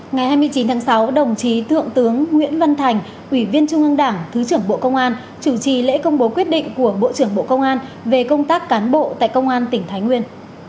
ngày hai mươi chín tháng sáu đồng chí thượng tướng nguyễn văn thành ủy viên trung ương đảng thứ trưởng bộ công an chủ trì lễ công bố quyết định của bộ trưởng bộ công an về công tác cán bộ tại công an tỉnh thái nguyên